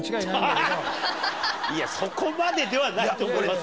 いやそこまでではないと思いますけどね。